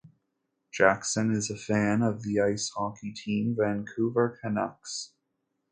Jackson is a fan of the ice hockey team Vancouver Canucks.